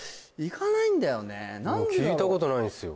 聞いたことないんすよ